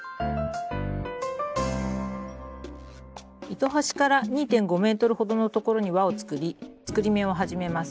糸端から２．５ｍほどのところに輪を作り作り目を始めます。